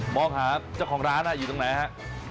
มองหาเจ้าของร้านอยู่ตรงไหนฮะ